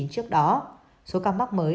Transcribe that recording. trước đó số ca mắc mới